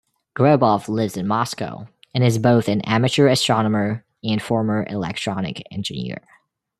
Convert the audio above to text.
Grobov lives in Moscow., and is both an amateur astronomer and former electronic engineer.